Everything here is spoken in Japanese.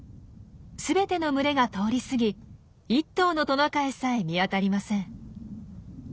すべての群れが通り過ぎ１頭のトナカイさえ見当たりません。